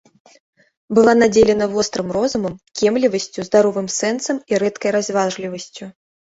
Была надзелена вострым розумам, кемлівасцю, здаровым сэнсам і рэдкай разважлівасцю.